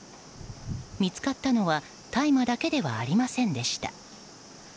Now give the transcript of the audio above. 見つかったのは大麻だけではありませんでした。